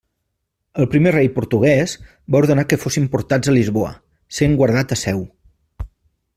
El primer rei portuguès va ordenar que fossin portats a Lisboa, sent guardat a Seu.